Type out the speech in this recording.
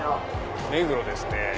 目黒ですね。